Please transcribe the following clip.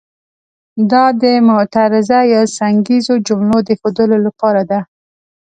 دا د معترضه یا څنګیزو جملو د ښودلو لپاره ده.